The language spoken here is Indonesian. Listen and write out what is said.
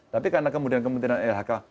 tapi karena kemudian kementerian lhk